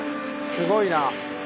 すごいな。